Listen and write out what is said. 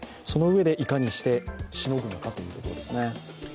そのうえでいかにしてしのぐのかということですね。